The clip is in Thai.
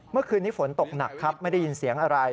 เมื่อคืนนี้ฝนตกหนักครับไม่ได้ยินเสียงอะไร